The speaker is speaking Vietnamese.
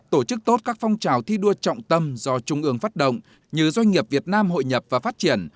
tổ chức tốt các phong trào thi đua trọng tâm do trung ương phát động như doanh nghiệp việt nam hội nhập và phát triển